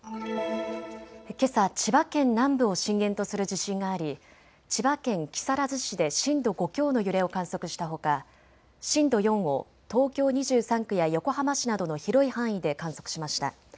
けさ、千葉県南部を震源とする地震があり千葉県木更津市で震度５強の揺れを観測したほか震度４を東京２３区や横浜市などの広い範囲で観測しました。